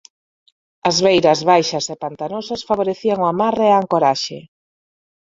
As beiras baixas e pantanosas favorecían o amarre e a ancoraxe.